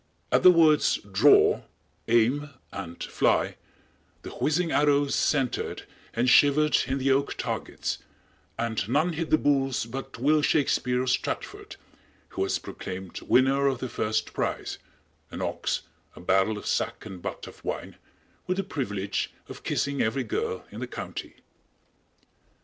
At the words "draw," "aim" and "fly" the whizzing arrows centered and shivered in the oak targets, and none hit the bull's but Will Shakspere of Stratford, who was proclaimed winner of the first prize, an ox, a barrel of sack and butt of wine, with the privilege of kissing every girl in the county.